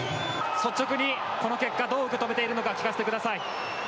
率直に、この結果どう受け止めているのか聞かせてください。